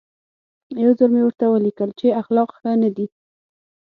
یو ځل مې ورته ولیکل چې اخلاق ښه نه دي.